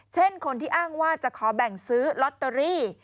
เช่นคนที่อ้างว่าจะขอแบ่งซื้อลอตเตอรี่